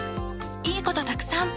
いいことたくさん！